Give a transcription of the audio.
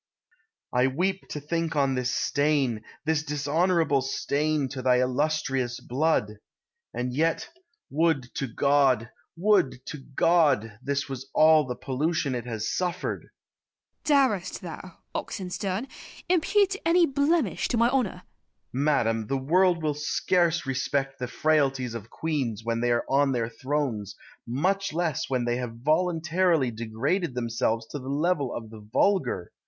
I weep to think on this stain, this dishonourable stain, to thy illustrious blood! And yet, would to God! would to God! this was all the pollution it has suffered! Christina. Darest thou, Oxenstiern, impute any blemish to my honour? Oxenstiern. Madam, the world will scarce respect the frailties of queens when they are on their thrones, much less when they have voluntarily degraded themselves to the level of the vulgar.